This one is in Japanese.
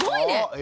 え。